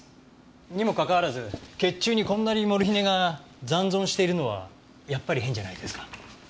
にもかかわらず血中にこんなにモルヒネが残存しているのはやっぱり変じゃないですか？